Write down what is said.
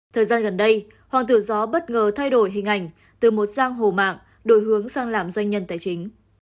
thời gian gần đây hoàng tử gió bất ngờ thay đổi hình ảnh từ một giang hồ mạng đổi hướng sang làm doanh nhân tài chính